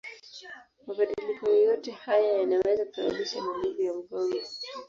Mabadiliko yoyote haya yanaweza kusababisha maumivu ya mgongo.